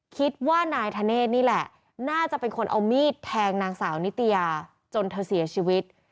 คิดว่านายธเนธนี่แหละน่าจะเป็นคนเอามีดแทงนางสาวนิตยาจนเธอเสียชีวิต